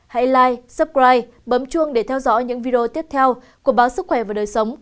hãy like subscribe bấm chuông để theo dõi những video tiếp theo của báo sức khỏe và đời sống